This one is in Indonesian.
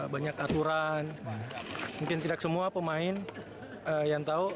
banyak aturan mungkin tidak semua pemain yang tahu